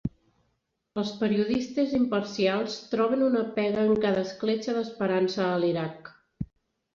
Els periodistes 'imparcials' troben una pega en cada escletxa d'esperança a l'Iraq.